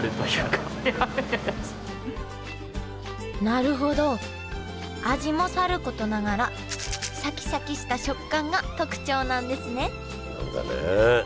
なるほど味もさることながらシャキシャキした食感が特徴なんですね